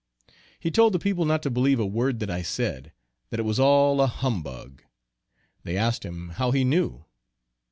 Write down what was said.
He told the people not to believe a word that I said, that it was all a humbug. They asked him how he knew?